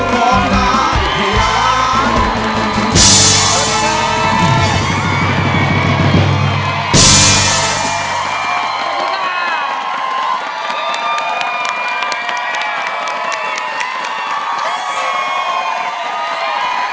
ร้องได้ให้ล้าน